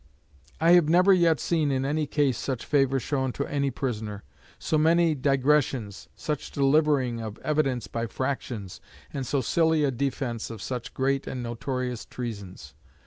"'I have never yet seen in any case such favour shown to any prisoner; so many digressions, such delivering of evidence by fractions, and so silly a defence of such great and notorious treasons.